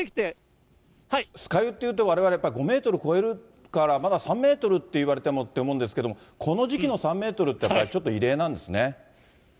酸ヶ湯っていうと、われわれやっぱり５メートル超えるから、まだ３メートルって言われてもって思うんですけど、この時期の３メートルって、やっぱりちょっと異例なんですね。